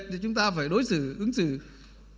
thì chúng ta phải đối tượng khác